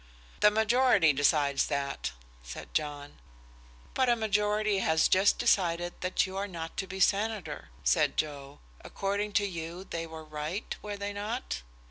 "The majority decides that," said John. "But a majority has just decided that you are not to be senator," said Joe. "According to you they were right, were they not?"